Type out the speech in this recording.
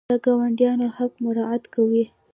د ګاونډیانو حق مراعات کوئ؟